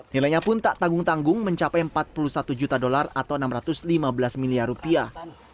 nilainya pun tak tanggung tanggung mencapai empat puluh satu juta dolar atau enam ratus lima belas miliar rupiah